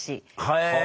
へえ。